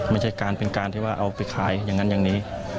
ไม่ใช่การเป็นการที่ว่าเอาไปขายอย่างนั้นอย่างนี้